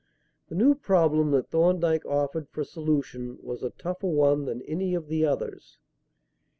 The new problem that Thorndyke offered for solution was a tougher one than any of the others.